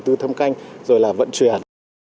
thu hoạch vận chuyển